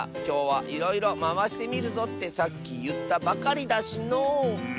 きょうはいろいろまわしてみるぞってさっきいったばかりだしのう。